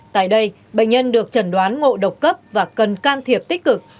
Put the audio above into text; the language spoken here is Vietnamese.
tại đây bệnh nhân được chẩn đoán ngộ độc cấp và cần can thiệp tích cực